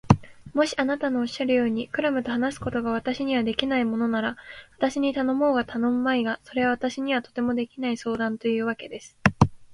もしあなたのおっしゃるように、クラムと話すことが私にはできないものなら、私に頼もうが頼むまいが、それは私にはとてもできない相談というわけです。